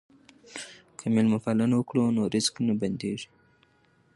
که مېلمه پالنه وکړو نو رزق نه بندیږي.